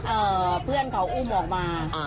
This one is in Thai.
เออเพื่อนเขาอุ้มออกมา